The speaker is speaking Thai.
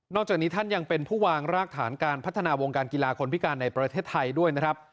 จากนี้ท่านยังเป็นผู้วางรากฐานการพัฒนาวงการกีฬาคนพิการในประเทศไทยด้วยนะครับ